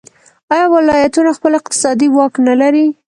آیا ولایتونه خپل اقتصادي واک نلري؟